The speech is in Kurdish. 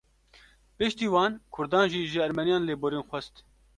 Piştî wan, Kurdan jî ji Ermeniyan lêborîn xwest